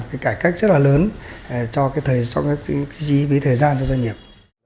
cái cải cách rất là lớn cho cái thời gian cho doanh nghiệp